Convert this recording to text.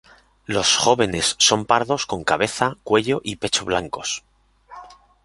Los jóvenes son pardos con cabeza, cuello y pecho blancos.